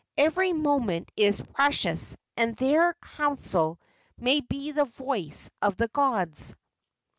"Every moment is precious, and their counsel may be the voice of the gods."